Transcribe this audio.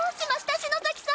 篠崎さん！